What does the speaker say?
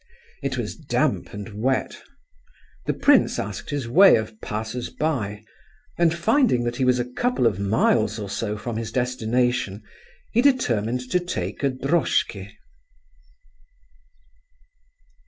It was damp and wet. The prince asked his way of passers by, and finding that he was a couple of miles or so from his destination, he determined to take a droshky. II.